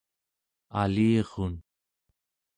alirun